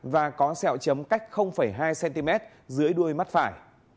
và có sẹo chấm cách hai cm dưới đuôi mắt phải